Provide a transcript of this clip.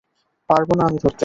পারব না আমি ধরতে।